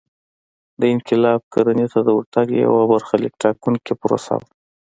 دا انقلاب کرنې ته د ورتګ یوه برخلیک ټاکونکې پروسه وه